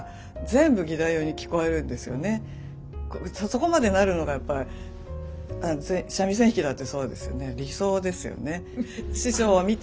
そこまでなるのがやっぱり三味線弾きだってそうですよね理想ですよね。